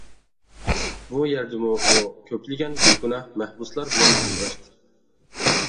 بۇ يەردىمۇ ئۇ كۆپلىگەن بىگۇناھ مەھبۇسلار بىلەن ئۇچراشتى.